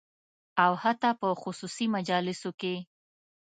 او حتی په خصوصي مجالسو کې